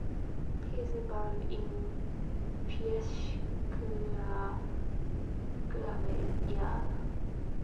He is buried in Fiacla graveyard.